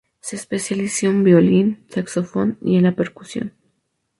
Se especializó en violín, saxofón y en la percusión.